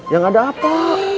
yang ada apa